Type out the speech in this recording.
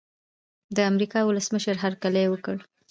د امریکا د ولسمشر هرکلی وکړي.